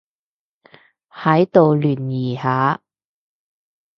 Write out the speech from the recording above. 喺度聯誼下